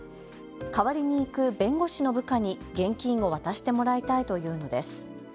代わりに行く弁護士の部下に現金を渡してもらいたいと言うのです。